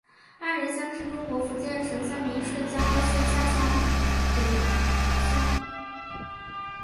安仁乡是中国福建省三明市将乐县下辖的一个乡。